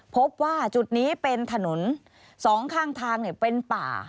พบว่าจุดนี้เป็นถนน๒ข้างทางเนี่ยเป็นป่า